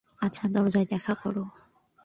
আচ্ছা, দরজায় দেখা করো।